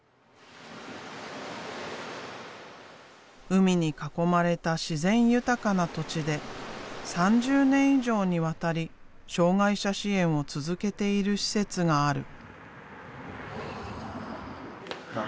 海に囲まれた自然豊かな土地で３０年以上にわたり障害者支援を続けている施設がある。